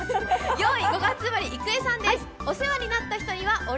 ４位、５月生まれ、郁恵さんです。